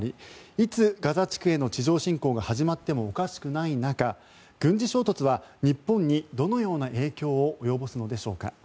いつガザ地区への地上侵攻が始まってもおかしくない中軍事衝突は日本にどのような影響を及ぼすのでしょうか。